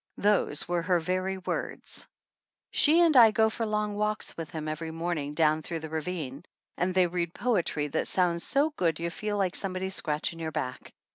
Those were her very words. She and I go for long walks with him every morning, down through the ravine; and they\ read poetry that sounds so good you feel like somebody's scratching your back.